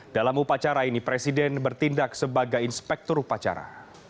dalam upacara ini presiden bertindak sebagai inspektur upacara